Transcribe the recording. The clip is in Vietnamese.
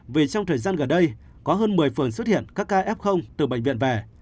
vì trong thời gian gần đây có hơn một mươi phường xuất hiện các ca f từ bệnh viện về